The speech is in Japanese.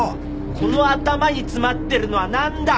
この頭に詰まってるのはなんだ？